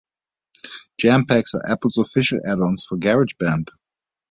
Jam Packs are Apple's official add-ons for GarageBand.